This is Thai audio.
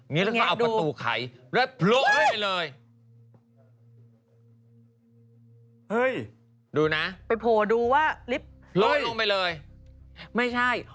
นี่แล้วเขาเอาประตูไขแล้วพล้อมไปเลยดูนะพล้อมลงไปเลยไม่ใช่